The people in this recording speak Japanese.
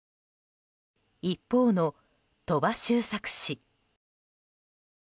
一方の鳥羽周作氏。